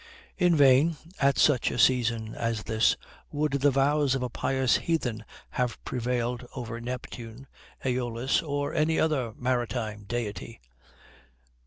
In vain, at such a season as this, would the vows of a pious heathen have prevailed over Neptune, Aeolus, or any other marine deity.